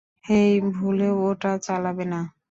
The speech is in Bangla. হেই, ভুলেও ওটা চালাবে না।